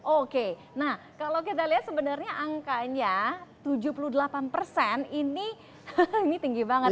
oke nah kalau kita lihat sebenarnya angkanya tujuh puluh delapan persen ini tinggi banget